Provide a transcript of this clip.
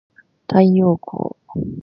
太陽光